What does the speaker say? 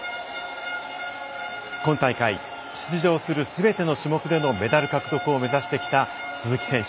今大会出場するすべての種目でのメダル獲得を目指してきた鈴木選手。